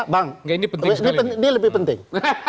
bang ini lebih penting